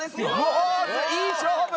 おおいい勝負！